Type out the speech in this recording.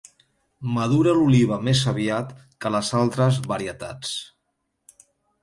Madura l'oliva més aviat que les altres varietats.